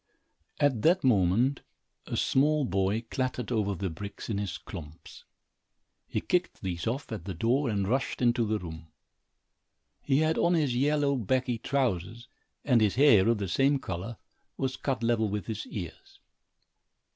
At that moment, a small boy clattered over the bricks in his klomps. He kicked these off, at the door, and rushed into the room. He had on his yellow baggy trousers and his hair, of the same color, was cut level with his ears.